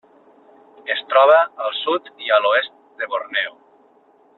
Es troba al sud i a l'oest de Borneo.